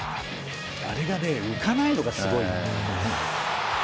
あれが浮かないのがすごい。